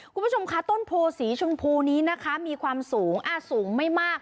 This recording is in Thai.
คุณผู้ชมค่ะต้นโพสีชมพูนี้นะคะมีความสูงสูงไม่มาก